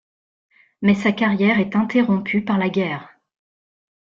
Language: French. Mais sa carrière est interrompue par la guerre.